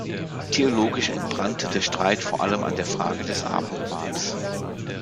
Theologisch entbrannte der Streit vor allem an der Frage des Abendmahls.